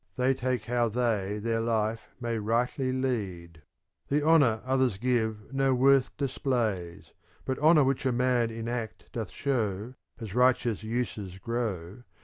They take how they their life may rightly lead. The honour others give no worth displays; But honour which a man in act doth show, ^ As righteous uses grow.